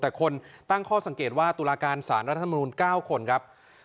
แต่คนตั้งข้อสังเกตว่าตุลาการสารรัฐมนุน๙คนครับ